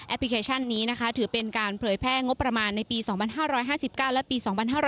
พลิเคชันนี้นะคะถือเป็นการเผยแพร่งบประมาณในปี๒๕๕๙และปี๒๕๕๙